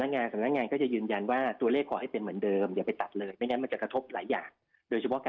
ประกาศการอีกก็เจอบที่จงถึงข้างหน้าหลังจากนั้นถึงจะรวบรวมและก็ไปเสนอคลม